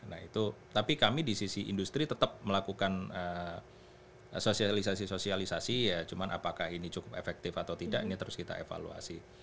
nah itu tapi kami di sisi industri tetap melakukan sosialisasi sosialisasi ya cuman apakah ini cukup efektif atau tidak ini terus kita evaluasi